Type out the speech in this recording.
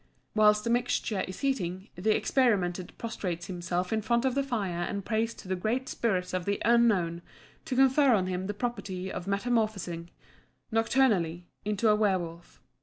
Whilst the mixture is heating, the experimenter prostrates himself in front of the fire and prays to the Great Spirit of the Unknown to confer on him the property of metamorphosing, nocturnally, into a werwolf.